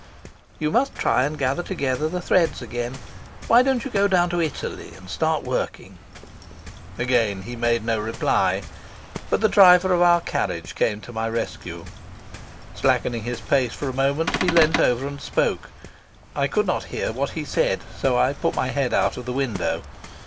"You must try and gather together the threads again. Why don't you go down to Italy and start working?" Again he made no reply, but the driver of our carriage came to my rescue. Slackening his pace for a moment, he leaned over and spoke. I could not hear what he said, so I put my head out of the window.